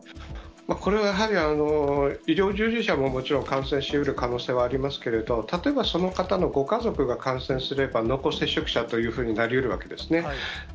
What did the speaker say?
これはやはり、医療従事者ももちろん感染しうる可能性はありますけれども、例えば、その方のご家族が感染すれば、濃厚接触者というふうになりうるわけですね。